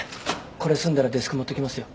これ済んだらデスク持ってきますよ。